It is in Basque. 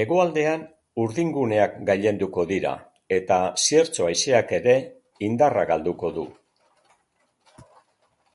Hegoaldean, urdinguneak gailenduko dira, eta ziertzo haizeak ere indarra galduko du.